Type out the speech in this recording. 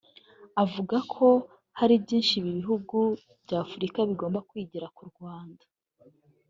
avuga ko hari byinshi ibindi bihugu bya Afurika bigomba kwigira ku Rwanda